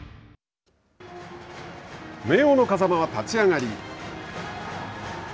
明桜の風間は立ち上がり。